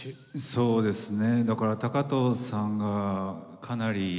そうですね。